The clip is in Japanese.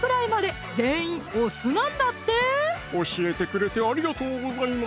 教えてくれてありがとうございます